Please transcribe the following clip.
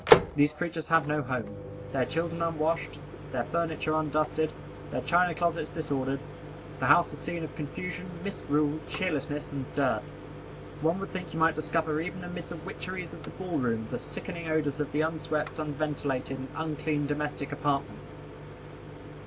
These creatures have no home. Their children unwashed. Their furniture undusted. Their china closets disordered. The house a scene of confusion, misrule, cheerlessness, and dirt. One would think you might discover even amid the witcheries of the ball room the sickening odors of the unswept, unventilated, and unclean domestic apartments.